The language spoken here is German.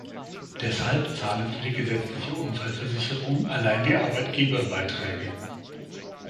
Deshalb zahlen für die gesetzliche Unfallversicherung allein die Arbeitgeber Beiträge.